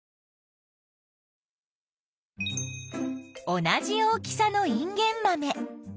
同じ大きさのインゲンマメ。